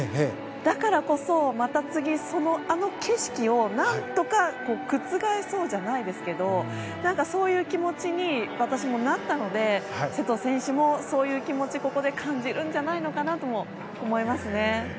だからこそ、また次あの景色を何とか覆そうじゃないですけどそういう気持ちに私もなったので瀬戸選手もそういう気持ちをここで感じるんじゃないのかなと思いますね。